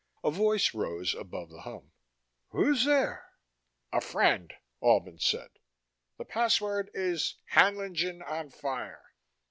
A voice rose above the hum. "Who's there?" "A friend," Albin said. "The password is Haenlingen on fire."